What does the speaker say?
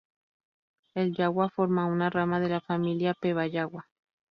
El yagua forma una rama de la familia peba-yagua.